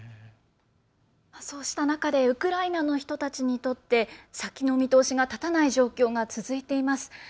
そうした中でウクライナの人たちにとって先の見通しが立たない状況が続いています。